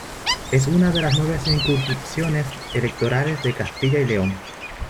Es una de las nueve circunscripciones electorales de Castilla y León.